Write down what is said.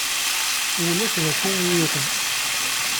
Ulac d acu iyi-yuɣen?